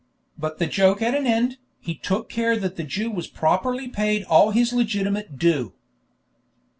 But the joke at an end, he took care that the Jew was properly paid all his legitimate due.